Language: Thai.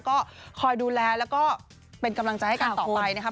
ก็คอยดูแลแล้วก็เป็นกำลังใจให้กันต่อไปนะครับ